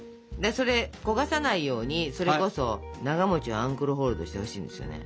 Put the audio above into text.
それ焦がさないようにそれこそながをアンクルホールドしてほしいんですよね。